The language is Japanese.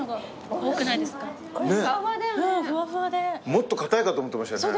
もっとかたいかと思ってましたよね。